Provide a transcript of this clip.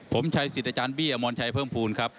ผมชัยสิทธิ์อาจารย์บี้อมรชัยเพิ่มภูมิครับ